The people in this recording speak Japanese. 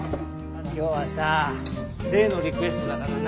今日はされいのリクエストだからな。